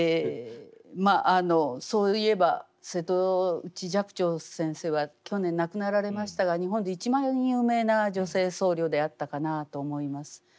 そういえば瀬戸内寂聴先生は去年亡くなられましたが日本で一番有名な女性僧侶であったかなあと思います。